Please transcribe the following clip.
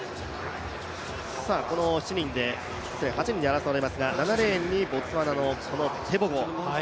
この８人で争われますが、７レーンにボツワナのテボゴ。